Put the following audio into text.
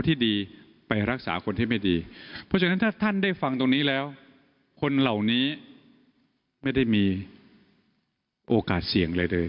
ถ้าท่านได้ฟังตรงนี้แล้วคนเหล่านี้ไม่ได้มีโอกาสเสี่ยงเลยเลย